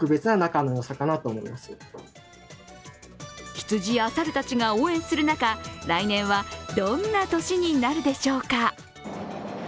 羊や猿たちが応援する中、来年はどんな年になるでしょうか。